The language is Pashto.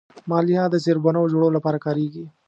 مالیه د زیربناوو جوړولو لپاره کارېږي.